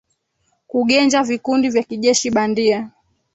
kugenja vikundi vya kijeshi bandia